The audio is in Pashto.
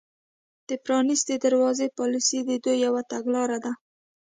د پرانیستې دروازې پالیسي د دوی یوه تګلاره ده